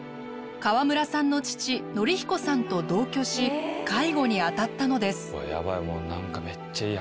河村さんの父徳彦さんと同居し介護に当たったのです。